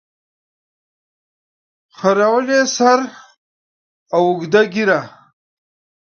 خریلي سر او اوږده ږیره